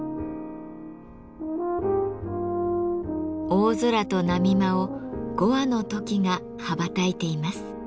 大空と波間を５羽のトキが羽ばたいています。